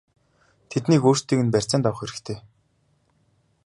Тэднийг өөрсдийг нь барьцаанд авах хэрэгтэй!!!